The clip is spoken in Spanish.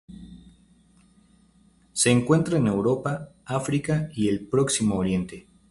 Se encuentra en Europa, África y el Próximo Oriente.